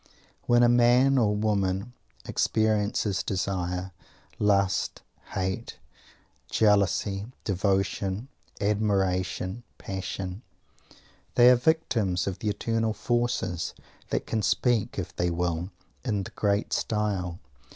When a man or woman experiences desire, lust, hate, jealousy, devotion, admiration, passion, they are victims of the eternal forces, that can speak, if they will, in "the great style."